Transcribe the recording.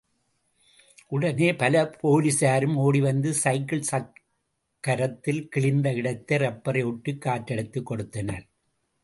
உடனே பல போலிஸாரும் ஓடிவந்து சைக்கிள் சக்கிரத்தில் கிழிந்த இடத்தை ரப்பரை ஒட்டிக் காற்றடைத்துக் கொடுத்தனர்.